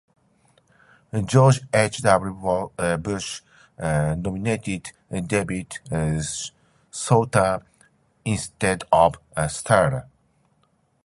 George H. W. Bush nominated David Souter instead of Starr.